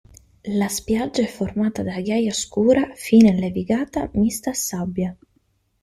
La spiaggia è formata da ghiaia scura, fine e levigata mista a sabbia.